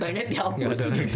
ternyata dihapus gitu